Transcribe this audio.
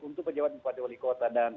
untuk pejabat bupati wali kota dan